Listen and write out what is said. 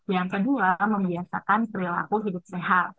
yang kedua membiasakan perilaku hidup sehat